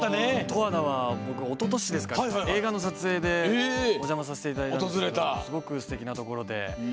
十和田は、おととしかに映画の撮影でお邪魔させていただいてすごくすてきなところで。